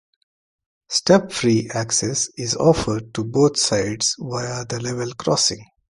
Step-free access is offered to both sides via the level crossing.